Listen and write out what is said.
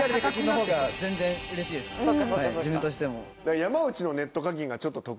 自分としても。